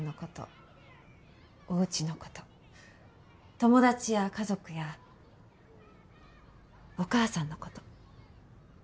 友達や家族やお母さんの事。